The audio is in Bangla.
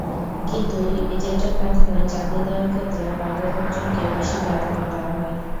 কিন্তু ইপিজেডের কারখানায় চাকরি দেওয়ার ক্ষেত্রে বাইরের লোকজনকে বেশি প্রাধান্য দেওয়া হয়।